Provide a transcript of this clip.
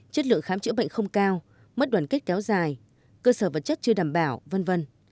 chất lượng khám chữa bệnh không cao mất đoàn kết kéo dài cơ sở vật chất chưa đảm bảo v v